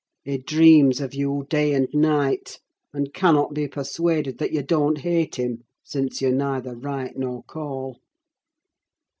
He dreams of you day and night, and cannot be persuaded that you don't hate him, since you neither write nor call."